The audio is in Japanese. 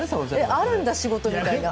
あるんだ、仕事みたいな。